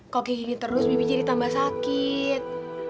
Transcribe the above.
kok kayak gini terus bibi jadi tambah sakit